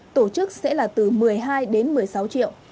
tổ chức sẽ là từ một mươi hai đến một mươi sáu triệu